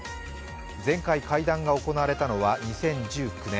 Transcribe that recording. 前回会談が行われたのは２０１９年。